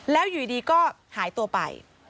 แล้วอยู่ดีก็หายตัวไป